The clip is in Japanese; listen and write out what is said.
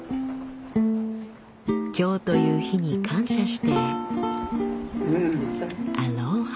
今日という日に感謝してアロハ。